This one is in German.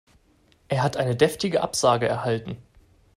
Er hat eine deftige Absage erhalten.